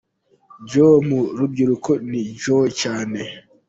Joe mu rubyiruko ni Joe cyane.